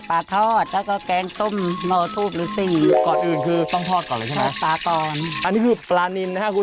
ปลาทอดและก็แกงซ่มหนอทูบฤษี